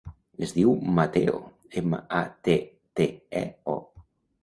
Es diu Matteo: ema, a, te, te, e, o.